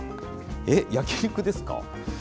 え、焼き肉ですか？